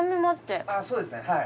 そうですね。